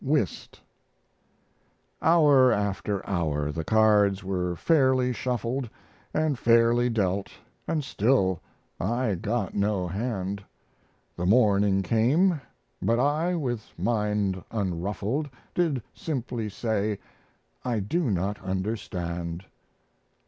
WHIST Hour after hour the cards were fairly shuffled, And fairly dealt, and still I got no hand; The morning came; but I, with mind unruffled, Did simply say, "I do not understand."